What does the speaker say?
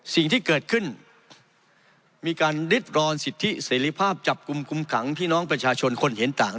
สิ่งที่เกิดขึ้นมีการริดรอนสิทธิเสรีภาพจับกลุ่มคุมขังพี่น้องประชาชนคนเห็นต่าง